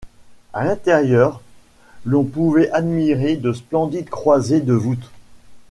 À l'intérieur, l'on pouvait admirer de splendides croisées de voûtes.